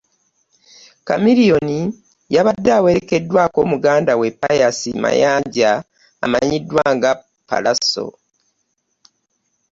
Chameleon yabadde awerekeddwako muganda we, Pius Mayanja amanyiddwa nga Pallaso.